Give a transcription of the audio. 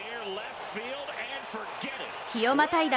日をまたいだ